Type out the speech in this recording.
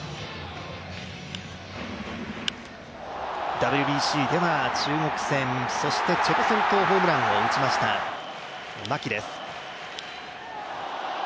ＷＢＣでは中国戦、そしてチェコ戦とホームランを打ちました、牧です。